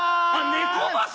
ネコバス！